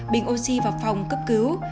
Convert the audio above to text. bình oxy vào phòng cướp cứu